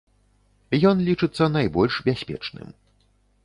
Ён лічыцца найбольш бяспечным.